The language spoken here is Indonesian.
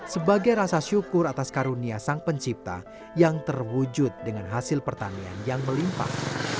kami bersyukur atas karunia sang pencipta yang terwujud dengan hasil pertanian yang melimpah